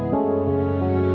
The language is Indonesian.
terima kasih bu